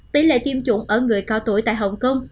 tỷ lệ tiêm chủng ở người cao tuổi tại hồng kông